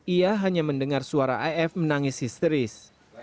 ia hanya mendengar suara af menangis histeris